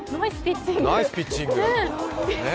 ナイスピッチング。